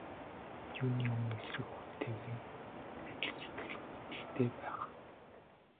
Юуны өмнө эсрэг хүнтэйгээ адил сэтгэгдэлтэй байх.